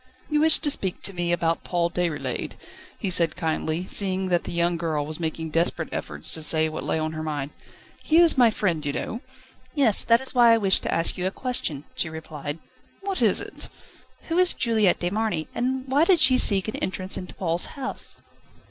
"You wished to speak to me about Paul Déroulède," he said kindly, seeing that the young girl was making desperate efforts to say what lay on her mind. "He is my friend, you know." "Yes; that is why I wished to ask you a question," she replied. "What is it?" "Who is Juliette de Marny, and why did she seek an entrance into Paul's house?"